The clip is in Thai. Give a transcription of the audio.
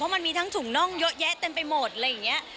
มันมีทั้งถุงน่องเยอะแยะเต็มไปหมดอะไรอย่างนี้